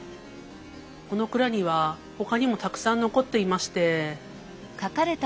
この蔵にはほかにもたくさん残っていまして。